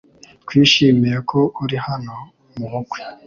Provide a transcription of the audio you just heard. Twishimiye ko uri hano mu bukwe